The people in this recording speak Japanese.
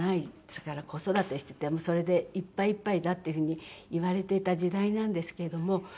それから子育てしていてそれでいっぱいいっぱいだっていうふうにいわれていた時代なんですけれども。